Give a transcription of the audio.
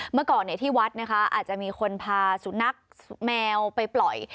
เมื่อก่อนที่วัดนะคะอาจจะมีคนพาสุนัขแมวไปปล่อย